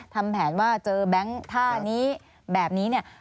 ทำแผนว่าเจอแบงค์ท่านี้แบบนี้เนี่ย